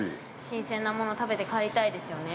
◆新鮮なもの食べて帰りたいですよね。